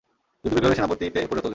যুদ্ধবিগ্রহের সেনাপতিতে পরিণত হলেন।